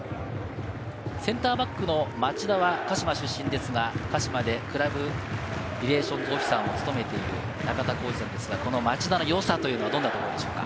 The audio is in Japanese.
センターバックの町田は鹿島出身ですが、鹿島でクラブ・リレーションズ・オフィサーを務めている中田浩二さん、町田の良さはどんなところでしょうか？